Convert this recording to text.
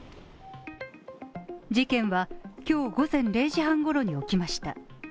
事件は、今日午前０時半ごろに起きました。